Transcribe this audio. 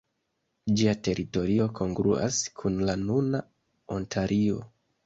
Ĝia teritorio kongruas kun la nuna Ontario.